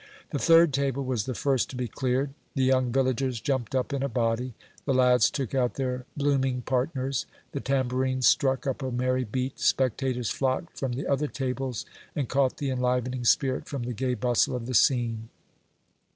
The third table was the first to be cleared. The young villagers jumped up in a body ; the lads took out their blooming partners ; the tambourines struck up a merry beat ; spectators flocked from the other tables, and caught the en livening spirit from the gay bustle of the scene.